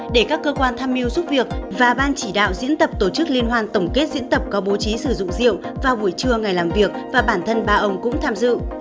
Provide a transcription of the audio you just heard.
để các cơ quan tham mưu giúp việc và ban chỉ đạo diễn tập tổ chức liên hoan tổng kết diễn tập có bố trí sử dụng rượu vào buổi trưa ngày làm việc và bản thân ba ông cũng tham dự